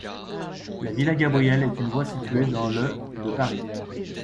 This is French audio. La villa Gabriel est une voie située dans le de Paris.